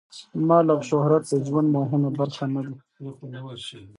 مال او شهرت د ژوند مهمه برخه نه دي.